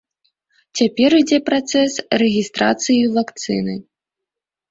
Цяпер ідзе працэс рэгістрацыі вакцыны.